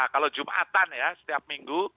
kalau jumatan ya setiap minggu